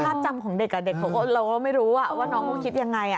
ภาพจำของเด็กกับเด็กเราไม่รู้ว่าน้องคิดยังไง